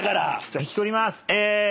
じゃあ引き取ります。